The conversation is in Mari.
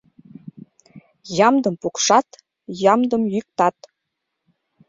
Ямдым пукшат, ямдым йӱктат.